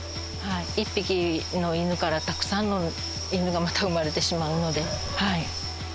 １匹の犬からたくさんの犬がまた産まれてしまうので。